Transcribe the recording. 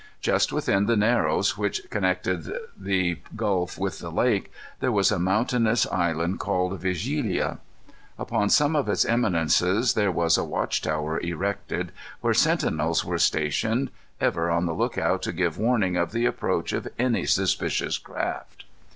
Just within the narrows which connected the gulf with the lake, there was a mountainous island called Vigilia. Upon one of its eminences there was a watch tower erected, where sentinels were stationed, ever on the lookout to give warning of the approach of any suspicious craft.